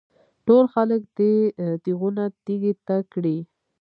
ټول خلک دې تېغونه تېکې ته کړي.